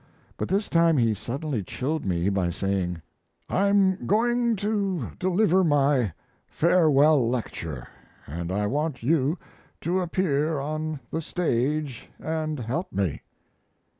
But this time he suddenly chilled me by saying: "I'm going to deliver my farewell lecture, and I want you to appear on the stage and help me."